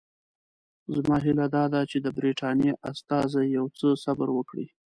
زما هیله دا ده چې د برټانیې استازي یو څه صبر وکړي.